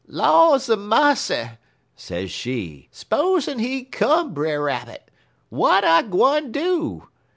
"'Laws a massy!' sez she, 'spozen he come, Brer Rabbit! W'at I gwine do?